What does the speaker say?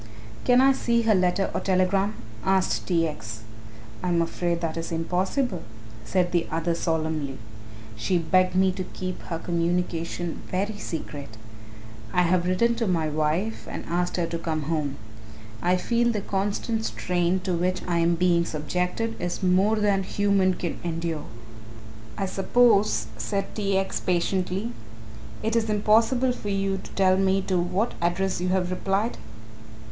"Can I see her letter or telegram?" asked T. X. "I am afraid that is impossible," said the other solemnly; "she begged me to keep her communication very secret. I have written to my wife and asked her to come home. I feel the constant strain to which I am being subjected is more than human can endure." "I suppose," said T. X. patiently, "it is impossible for you to tell me to what address you have replied?"